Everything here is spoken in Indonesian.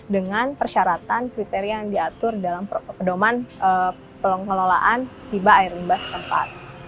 dengan persyaratan kriteria yang diatur dalam program hiba air limbas tempat